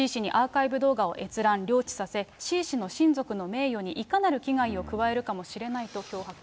Ｃ氏にアーカイブ動画を閲覧、了知させ、Ｃ氏の親族の名誉にいかなる危害を加えるかもしれないと脅迫をし